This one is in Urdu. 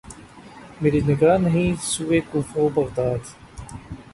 مری نگاہ نہیں سوئے کوفہ و بغداد